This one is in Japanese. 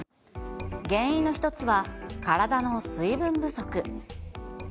原因の一つは、体の水分不足。